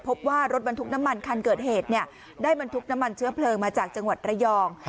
พบว่ารถบรรทุกน้ำมันคันเกิดเหตุได้บรรทุกน้ำมันเชื้อเพลิงมาจากจังหวัดระยอง